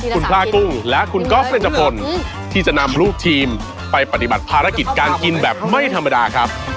คุณพลากุ้งและคุณก๊อฟเรนจพลที่จะนำลูกทีมไปปฏิบัติภารกิจการกินแบบไม่ธรรมดาครับ